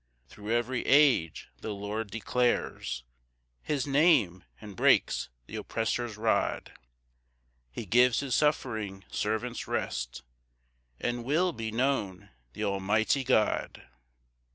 4 Thro' every age the Lord declares His Name and breaks th' oppressor's rod; He gives his suffering servants rest, And will be known th' almighty God.